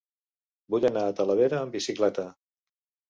Vull anar a Talavera amb bicicleta.